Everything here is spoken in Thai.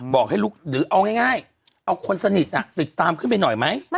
บอกให้ลุกหรือเอาง่ายเอาคนสนิทติดตามขึ้นไปหน่อยไหม